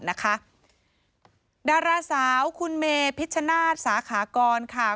ดาราสาวคุณเมพิชชนาศสาขากรค่ะ